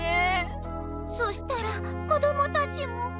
そしたら子どもたちも。